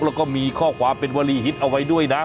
แล้วก็มีข้อความเป็นวลีฮิตเอาไว้ด้วยนะ